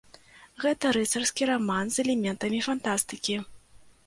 Гэта рыцарскі раман з элементамі фантастыкі.